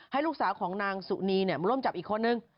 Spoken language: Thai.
ให้ลูกสาวของนางสุนีมาร่วมจับอีกคนนึง